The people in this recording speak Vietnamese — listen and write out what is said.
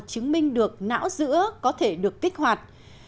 chứng minh được não giữa có thể được kích hoạt